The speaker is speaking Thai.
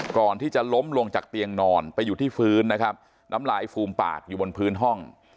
ก่อนที่จะล้มลงจากเตียงนอนไปอยู่ที่พื้นนะครับน้ำลายฟูมปากอยู่บนพื้นห้อง